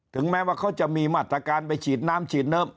แม้ว่าเขาจะมีมาตรการไปฉีดน้ำฉีดเนิม